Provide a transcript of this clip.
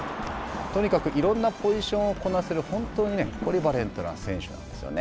とにかくいろんなポジションをこなせる本当にポリバレントな選手なんですね。